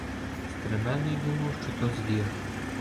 Стременний думав, що то звір.